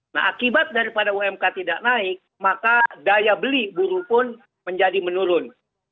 nah akibat daripada umk tidak naik maka daya beli buruh pun menjadi menurun